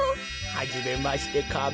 はじめましてカメ。